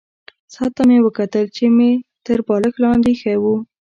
ساعت ته مې وکتل چې مې تر بالښت لاندې ایښی وو.